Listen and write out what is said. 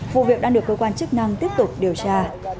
vụ việc đang được cơ quan chức năng tiếp tục điều tra